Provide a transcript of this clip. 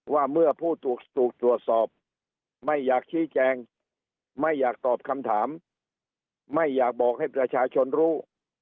ว่าเมื่อผู้ถูกตรวจสอบไม่อยากชี้แจงไม่อยากตอบคำถามไม่อยากบอกให้ประชาชนรู้